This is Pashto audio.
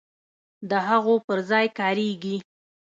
د هغو پر ځای کاریږي.